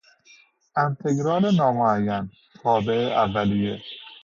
انتگرال نامعین، تابع اولیه